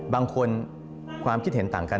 บางคนความคิดเห็นต่างกัน